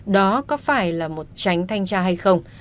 đó có phải là một tránh thanh tra hay không